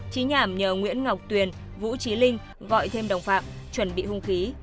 trí nhảm nhờ nguyễn ngọc tuyền vũ trí linh gọi thêm đồng phạm chuẩn bị hung khí